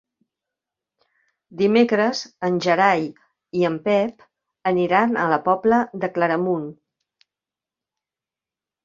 Dimecres en Gerai i en Pep aniran a la Pobla de Claramunt.